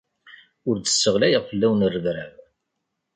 Ur d-sseɣlayeɣ fell-awen rrebrab.